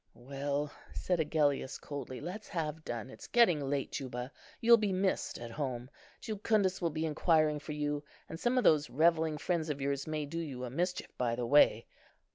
"Well," said Agellius coldly, "let's have done. It's getting late, Juba; you'll be missed at home. Jucundus will be inquiring for you, and some of those revelling friends of yours may do you a mischief by the way.